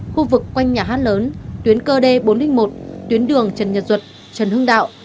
khu vực quanh nhà hát lớn tuyến cơ d bốn trăm linh một tuyến đường trần nhật duật trần hưng đạo